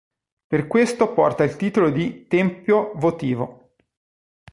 Per questo porta il titolo di "Tempio Votivo".